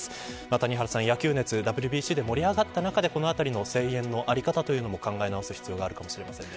谷原さん、野球熱ＷＢＣで盛り上がった中でこのあたりの声援の在り方を考え直す必要があるかもしれません。